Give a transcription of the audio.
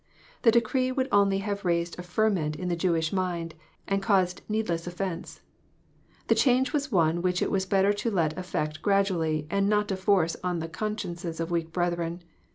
The decree would only have raised a ferment in the Jewish mind, and caused needless offence : the change was one which it was better to effect gradually, and not to force on the consciences of weak brethren.